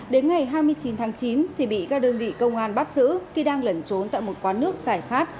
đến ngày hai mươi chín tháng chín thì bị các đơn vị công an bắt giữ khi đang lẩn trốn tại một quán nước xài khát